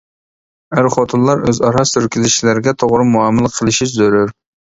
ئەر-خوتۇنلار ئۆزئارا سۈركىلىشلەرگە توغرا مۇئامىلە قىلىشى زۆرۈر.